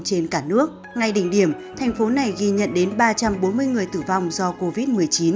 trên cả nước ngay đỉnh điểm thành phố này ghi nhận đến ba trăm bốn mươi người tử vong do covid một mươi chín